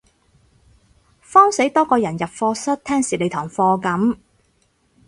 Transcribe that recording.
慌死多個人入課室聽蝕你嗰堂噉